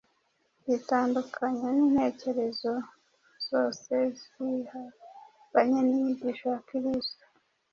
yitandukanya n’intekerezo zose zihabanye n’inyigisho ya Kristo.